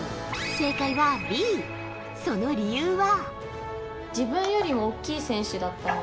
正解はＢ、その理由は。